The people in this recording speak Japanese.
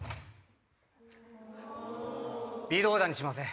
微動だにしません。